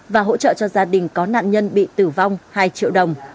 và hỗ trợ cho gia đình có nạn nhân bị tử vong hai triệu đồng